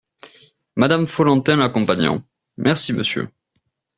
Madame Follentin l’accompagnant. — Merci, Monsieur !